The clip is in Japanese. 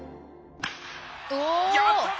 やったぜ！